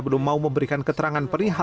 belum mau memberikan keterangan perihal